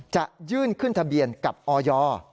จะยื่นขึ้นทะเบียนกับออย